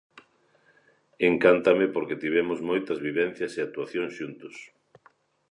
Encántame porque tivemos moitas vivencias e actuacións xuntos.